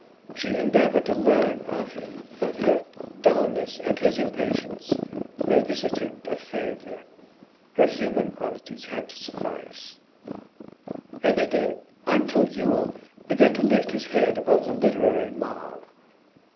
She endeavoured to learn of him, but her dulness and his impatience made this attempt a failure; her human qualities had to suffice. And they did, until Yule began to lift his head above the literary mob.